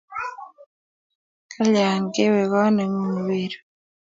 Kalin kewe kot ne ngung wi ru